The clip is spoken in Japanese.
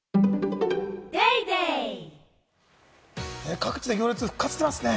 各地で行列が復活してますね。